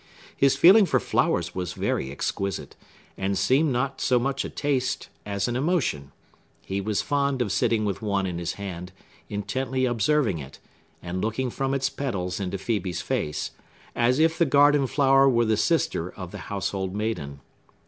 His feeling for flowers was very exquisite, and seemed not so much a taste as an emotion; he was fond of sitting with one in his hand, intently observing it, and looking from its petals into Phœbe's face, as if the garden flower were the sister of the household maiden.